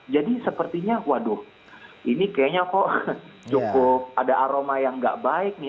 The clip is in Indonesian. jadi sepertinya waduh ini kayaknya kok cukup ada aroma yang gak baik nih